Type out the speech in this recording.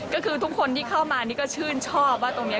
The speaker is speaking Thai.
ก็คือทุกคนที่เข้ามานี่ก็ชื่นชอบว่าตรงนี้